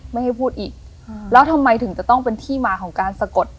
ไม่ให้พูดอีกแล้วทำไมถึงจะต้องเป็นที่มาของการสะกด